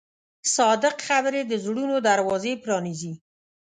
صادق خبرې د زړونو دروازې پرانیزي.